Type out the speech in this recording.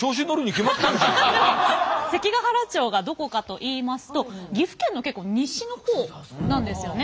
関ケ原町がどこかといいますと岐阜県の西の方なんですよね。